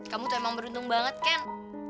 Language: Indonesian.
kamu tuh emang beruntung banget ken